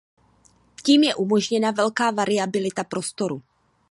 Tím je umožněna velká variabilita prostoru.